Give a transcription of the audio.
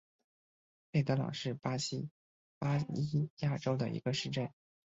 佩德朗是巴西巴伊亚州的一个市镇。